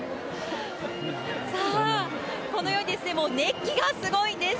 さあ、このように、もう熱気がすごいんです。